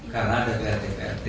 karena ada prt prt